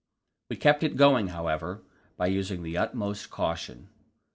We kept it going, however, by using the utmost caution.